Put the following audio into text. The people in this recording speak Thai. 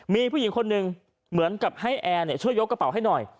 มีผู้หญิงคนหนึ่งเหมือนกับให้แอร์ช่วยยกกระเป๋าให้หน่อย